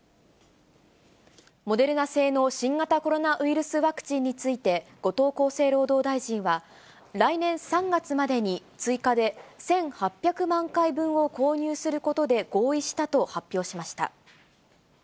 モデルナ製の新型コロナウイルスワクチンについて、後藤厚生労働大臣は、来年３月までに、追加で１８００万回分を購入することで合意したと発表しました。